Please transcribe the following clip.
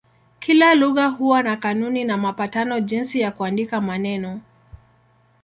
Kila lugha huwa na kanuni na mapatano jinsi ya kuandika maneno.